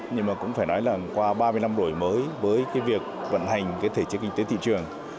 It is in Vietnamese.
nhưng mà cũng phải nói là qua ba mươi năm đổi mới với cái việc vận hành cái thể chế kinh tế thị trường